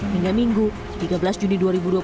hingga minggu tiga belas juni dua ribu dua puluh